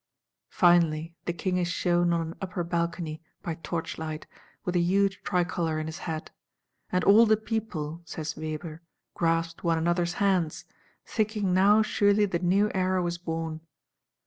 Finally, the King is shewn on an upper balcony, by torchlight, with a huge tricolor in his hat: "And all the 'people,' says Weber, grasped one another's hands;—thinking now surely the New Era was born."